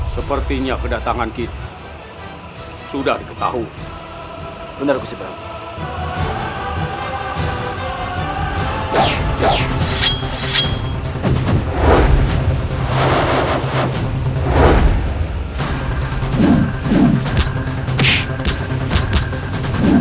siapa saja yang akan memeluk kita menjadi muda which association